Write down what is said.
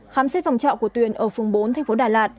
khám xét phòng trọ của tuyền ở phường bốn thành phố đà lạt